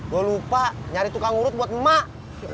gue lupa nyari tukang urut buat emak